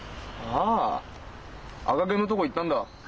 ああ赤ゲンのとこ行ったんだ。